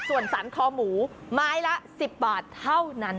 ส่วนสรรคอหมูไม้ละ๑๐บาทเท่านั้น